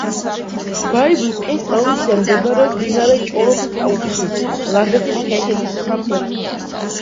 ბაიბურთის პროვინცია მდებარეობს მდინარე ჭოროხის აუზში, ლაზეთის ქედის სამხრეთით.